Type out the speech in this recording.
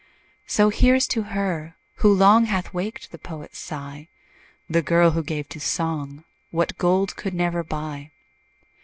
So here's to her, who long Hath waked the poet's sigh, The girl, who gave to song What gold could never buy.